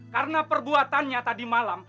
karena perbuatannya tadi malam